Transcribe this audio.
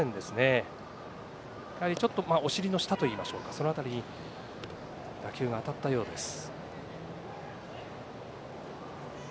やはりお尻の下といいましょうかその辺りに打球が当たったようです。